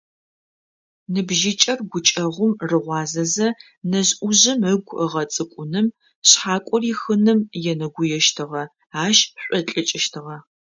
Ныбжьыкӏэр гукӏэгъум рыгъуазэзэ, нэжъ-ӏужъым ыгу ыгъэцӏыкӏуным, шъхьакӏо рихыным енэгуещтыгъэ, ащ шӏолӏыкӏыщтыгъэ.